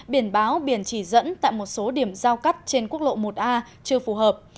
biển báo biển chỉ dẫn tại một số điểm giao cắt trên quốc lộ một a chưa phù hợp